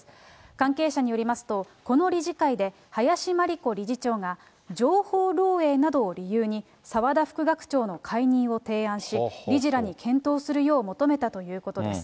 関係者によりますと、この理事会で、林真理子理事長が、情報漏洩などを理由に澤田副学長の解任を提案し、理事らに検討するよう求めたということです。